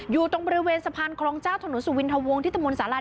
อยู่ตรงบริเวณสะพานกรองเจ้าถนนสุวินธวงที่ตมรคซาลาด